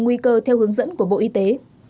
nguy cơ theo hướng dẫn của bộ y tế